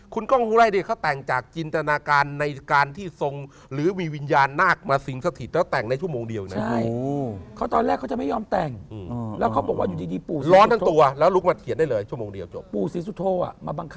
คุณก้องหุไล่เนี่ยเขาแต่งจากจินตนาการในการที่ทรงหรือมีวิญญาณนาคมาสิงสถิตแล้วแต่งในชั่วโมงเดียวนะครับ